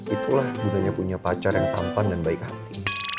itulah gunanya punya pacar yang tampan dan baik hati